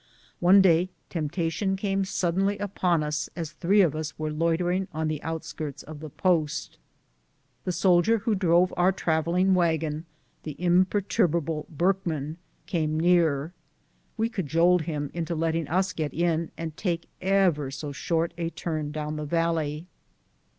One day temptation came suddenly upon us as three of us were loitering on the outskirts of the post. The soldier who drove our travelling wagon, the imperturbable Burkman, came near. We cajoled him into letting us get in and take ever so short a turn down the valley.